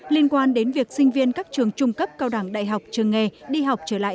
liên quan đến việc sinh viên các trường trung cấp cao đẳng đại học trường nghề đi học trở lại